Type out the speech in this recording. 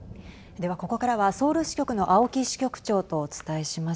ではここからはソウル支局の青木支局長とお伝えします。